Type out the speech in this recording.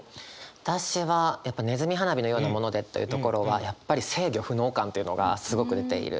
私はやっぱ「ねずみ花火のようなもので」というところはやっぱり制御不能感というのがすごく出ている。